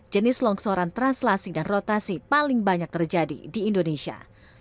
jenis longsoran translasi dan rotasi paling banyak terjadi di indonesia